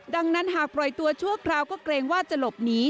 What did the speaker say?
ดังนั้นหากปล่อยตัวชั่วคราวก็เกรงว่าจะหลบหนี